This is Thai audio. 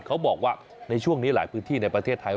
เขาบอกว่าในช่วงนี้หลายพื้นที่ในประเทศไทย